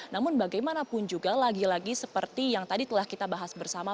namun bagaimanapun juga lagi lagi seperti yang tadi telah kita bahas bersama